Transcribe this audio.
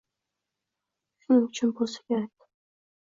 Shuning uchun bo‘lsa kerak